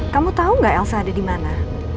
kamu tau gak elsa ada dimana